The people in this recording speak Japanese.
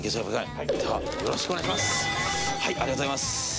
ありがとうございます。